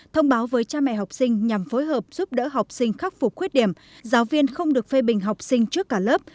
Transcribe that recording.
thông báo với cha mẹ học sinh nhằm phối hợp giúp đỡ học sinh khắc phục khuyết điểm giáo viên không được phê bình học sinh trước cả lớp